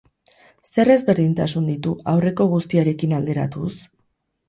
Zer ezberdintasun ditu aurreko guztiarekin alderatuz?